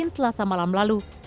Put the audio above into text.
selasa malam lalu